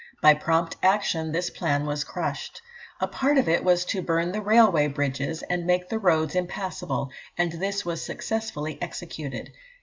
By prompt action, this plan was crushed. A part of it was to burn the railway bridges, and make the roads impassable, and this was successfully executed.